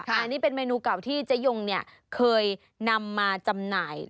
อันนี้เป็นเมนูเก่าที่เจ๊ยงเคยนำมาจำหน่าย